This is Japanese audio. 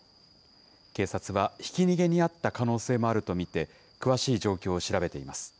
警察はひき逃げに遭った可能性もあると見て、詳しい状況を調べています。